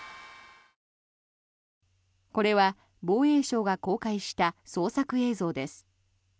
これは防衛省が公開した捜索映像です。